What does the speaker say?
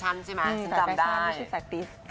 มีแน่นอนครับ